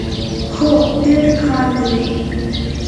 هو، ډیر کار دی